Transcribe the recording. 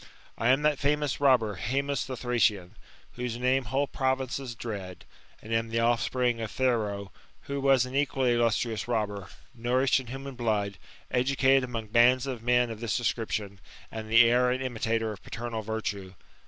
I am that fomous robber Haemus the Thracian, whose name whole pro vinces dread; and am the offspring of Thero, who was an equally illustrious robber, nourished in human blood, educated among bands of men of this description, and the heir and imitator of paternal vittu^.